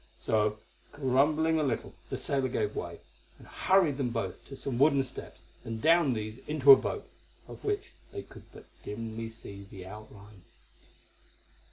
So grumbling a little the sailor gave way, and hurried them both to some wooden steps and down these into a boat, of which they could but dimly see the outline.